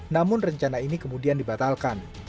namun rencana ini kemudian dibatalkan